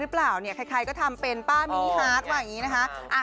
รูปสาวเนี่ยใครก็ทำเป็นป้ามินิฮาร์ด